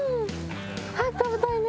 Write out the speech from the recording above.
早く食べたいね。